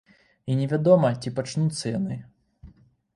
І не вядома, ці пачнуцца яны.